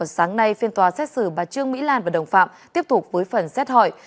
sáng nay phiên tòa xét xử bà trương mỹ lan và đồng phạm tiếp tục với phần xét hỏi